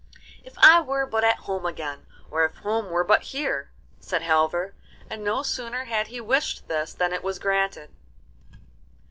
'If I were but at home again, or if home were but here!' said Halvor, and no sooner had he wished this than it was granted.